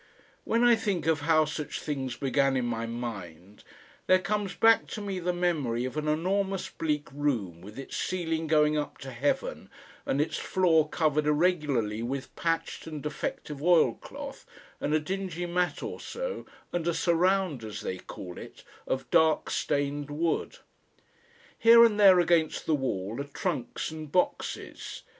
When I think of how such things began in my mind, there comes back to me the memory of an enormous bleak room with its ceiling going up to heaven and its floor covered irregularly with patched and defective oilcloth and a dingy mat or so and a "surround" as they call it, of dark stained wood. Here and there against the wall are trunks and boxes.